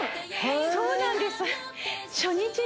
そうなんです